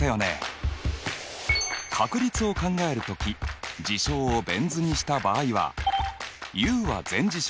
確率を考えるとき事象をベン図にした場合はＵは全事象。